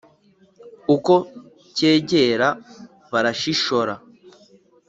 Ukwo cyegera barashishora,